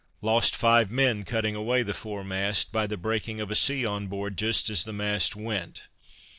Lost five men cutting away the foremast, by the breaking of a sea on board just as the mast went.